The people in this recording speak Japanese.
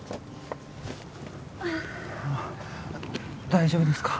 大丈夫ですか？